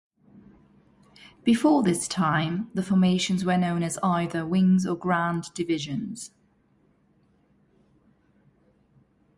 Before this time, the formations were known as either "Wings" or "Grand Divisions".